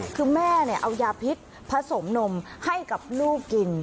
คือแม่เอายาพิษผสมนมให้กับลูกกิน